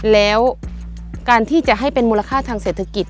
แล้วการที่จะให้เป็นมูลค่าทางเศรษฐกิจ